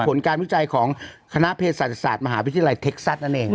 ผลการวิจัยของคณะเพศศาสตร์มหาวิทยาลัยเท็กซัสนั่นเอง